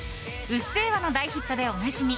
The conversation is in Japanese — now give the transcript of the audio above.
「うっせぇわ」の大ヒットでおなじみ